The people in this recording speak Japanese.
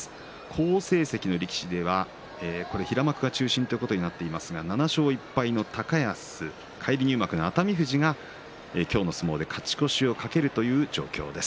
好成績の力士では平幕が中心ということになっていますが７勝１敗の高安返り入幕の熱海富士が今日の相撲で勝ち越しを懸けるという状況です。